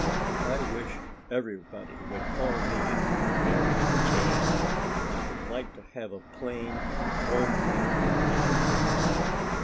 I wish everybody would call me Mary Jane! I would like to have a plain, homely name."